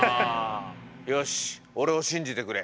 よし俺を信じてくれ。